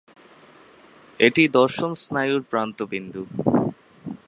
এটি দর্শন স্নায়ুর প্রান্তবিন্দু।